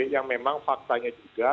yang memang fakta itu juga